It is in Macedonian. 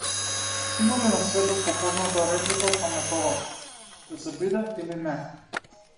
Има ли на светот попозната реплика од Хамлетовата: да се биде или не?